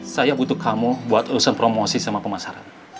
saya butuh kamu buat urusan promosi sama pemasaran